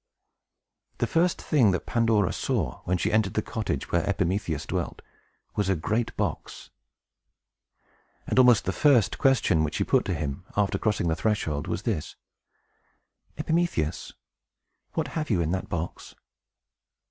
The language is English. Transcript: The first thing that Pandora saw, when she entered the cottage where Epimetheus dwelt, was a great box. And almost the first question which she put to him, after crossing the threshold, was this, "Epimetheus, what have you in that box?"